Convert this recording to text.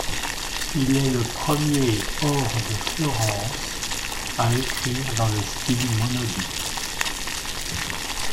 Il est le premier hors de Florence a écrire dans le style monodique.